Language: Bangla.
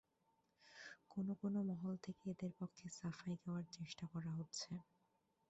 কোনো কোনো মহল থেকে এদের পক্ষে সাফাই গাওয়ার চেষ্টা করা হচ্ছে।